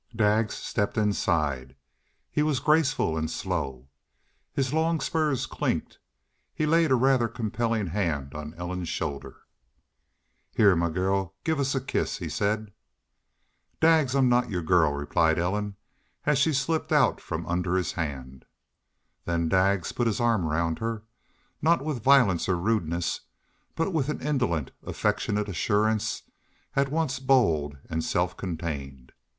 Daggs stepped inside. He was graceful and slow. His long' spurs clinked. He laid a rather compelling hand on Ellen's shoulder. "Heah, mah gal, give us a kiss," he said. "Daggs, I'm not your girl," replied Ellen as she slipped out from under his hand. Then Daggs put his arm round her, not with violence or rudeness, but with an indolent, affectionate assurance, at once bold and self contained.